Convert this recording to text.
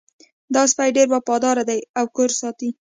دا سپی ډېر وفادار ده او کور ساتي